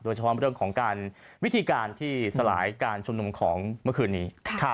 เฉพาะเรื่องของการวิธีการที่สลายการชุมนุมของเมื่อคืนนี้